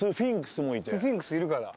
スフィンクスいるから。